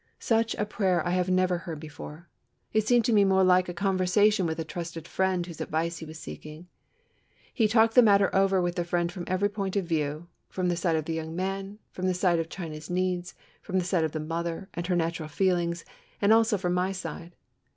Such a prayer I have never heard before! It seemed to me more like a conversation with a trusted friend whose advice he was seeking. He talked the matter over with the Friend from every point of view from the side of the young man, from the side of China's needs, from the side of the mother, and her natural feelings, and also from my side.